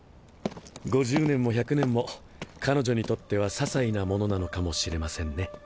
５０年も１００年も彼女にとっては些細なものなのかもしれませんね。